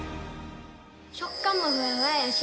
食感もふわふわやし